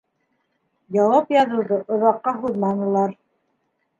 Яуап яҙыуҙы оҙаҡҡа һуҙманылар.